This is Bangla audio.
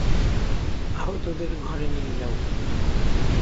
আহতদের ঘরে নিয়ে যাও।